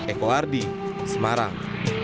eko ardi semarang